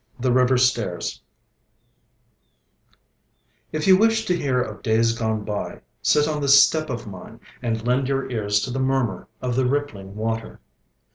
THE RIVER STAIRS If you wish to hear of days gone by, sit on this step of mine, and lend your ears to the murmur of the rippling water.